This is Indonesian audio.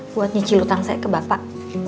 buat nyicil utang saya ke bapak